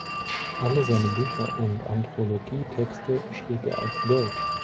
Alle seine Bücher und Anthologietexte schrieb er auf Deutsch.